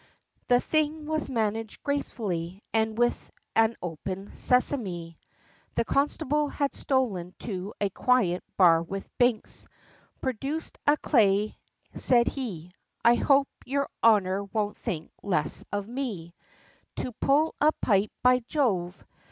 The thing was managed gracefully, and with an open sesamè, The constable had stolen to a quiet bar with Binks, Produced a clay, said he, "I hope yer honor won't think less of me, To pull a pipe," "By Jove!